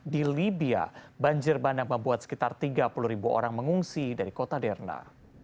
di libya banjir ban yang membuat sekitar tiga puluh orang mengungsi dari kota derna